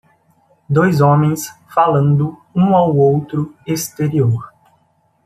Dois homens, falando, um ao outro, exterior